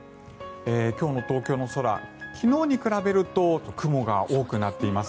今日の東京の空、昨日に比べると雲が多くなっています。